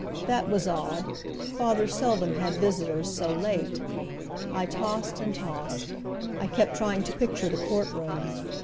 That was odd; father seldom had visitors so late. I tossed and tossed. I kept trying to picture the court room.